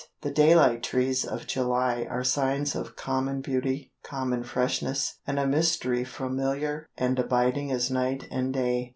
The daylight trees of July are signs of common beauty, common freshness, and a mystery familiar and abiding as night and day.